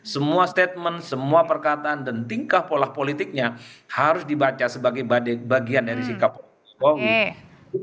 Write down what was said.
semua statement semua perkataan dan tingkah pola politiknya harus dibaca sebagai bagian dari sikap jokowi